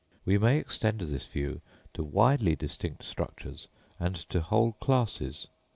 We may extend this view to widely distinct structures and to whole classes.